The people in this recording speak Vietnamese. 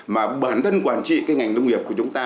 mà bản thân quản trị cái ngành nông nghiệp của chúng ta